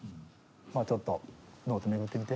まあちょっとノートめくってみて。